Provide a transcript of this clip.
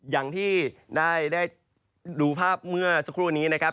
อย่างที่ได้ดูภาพเมื่อสักครู่นี้นะครับ